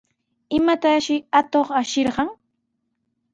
¿Imatashi atuq ashirqan?